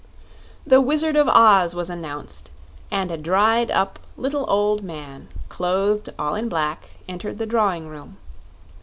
The Wizard of Oz was announced, and a dried up, little, old man, clothed all in black, entered the drawing room.